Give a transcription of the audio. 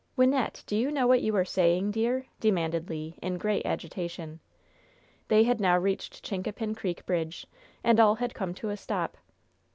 "Wynnette, do you know what you are saying, dear?" demanded Le, in great agitation. They had now reached Chincapin Creek bridge, and all had come to a stop.